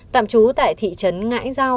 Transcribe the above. tạm trú tại thị trấn ngãi giao